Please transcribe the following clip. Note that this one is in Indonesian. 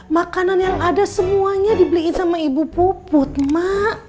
makanan yang ada semuanya dibeliin sama ibu puput mak